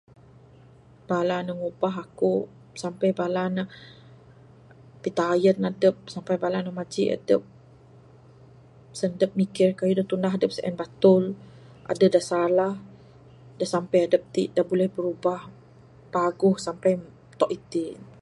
Bala ne ngubah aku, sampe bala ne pitayen adep, sampe bala ne majik adep ,sen dep mikir kayuh tunah adep en batul ,deh da salah da sampe adep ti da buleh birubah paguh sampe tok iti ne.